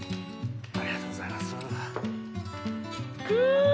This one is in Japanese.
ありがとうございます。